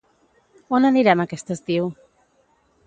On anirem aquest estiu?